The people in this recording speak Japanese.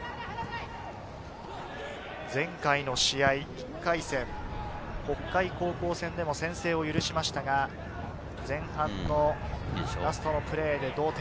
前回の試合、１回戦、北海高校戦でも先制を許しましたが、前半ラストのプレーで同点。